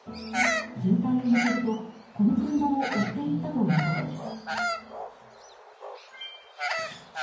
渋滞を抜けると、この車を追っていったということです。